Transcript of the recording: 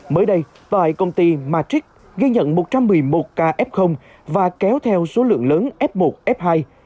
mới đây tòa hải công ty matrix ghi nhận một trăm một mươi một ca f và kéo theo số lượng lớn f một f hai